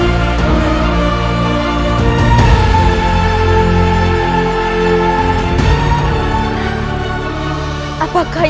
ibu nara subanglarang